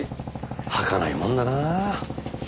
はかないもんだなぁ。